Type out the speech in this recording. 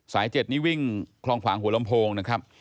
สายเจ็ดนี่วิ่งคล่องขวางหัวลำโพงนะครับ